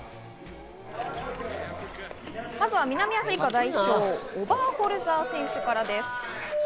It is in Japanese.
まずは南アフリカ代表、オバーホルザー選手からです。